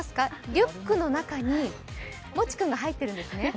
リュックの中にもち君が入ってるんですね。